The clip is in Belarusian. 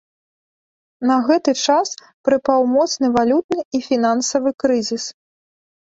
На гэты час прыпаў моцны валютны і фінансавы крызіс.